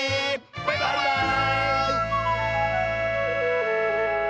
バイバーイ！